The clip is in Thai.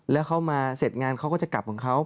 แล้วเขามาเสร็จงานเขาก็จะกลับของเขา